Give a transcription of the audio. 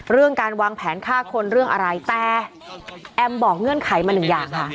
เรื่องการวางแผนฆ่าคนเรื่องอะไรแต่แอมบอกเงื่อนไขมาหนึ่งอย่างค่ะ